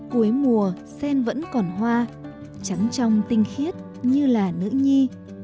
cuối mùa sen vẫn còn hoa trắng trong tinh khiết như là nữ nhi